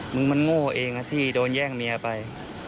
มึงมันโง่เองนะที่โดนแย่งเมียไป